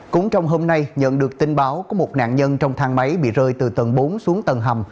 cũng trong hôm nay nhận được tin báo của một nạn nhân trong thang máy bị rơi từ tầng bốn xuống tầng hầm